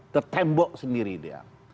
tertembok sendiri dia